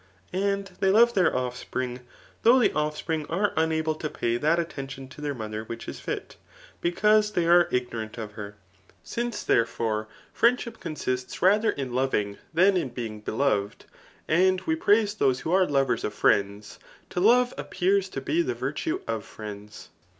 And they love thdr o&pring, though the offspring are unable to pay that attention to their mother which is fit, because they are ignorant of hen Since, therefore, friendship censists rather in loving than in being beloved, and we pndse those who arg lovei^ of friends, to love appears to be the virtue of friends.